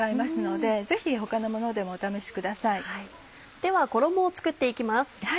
では衣を作って行きます。